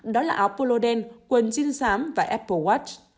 đó là áo polo đen quần jean xám và apple watch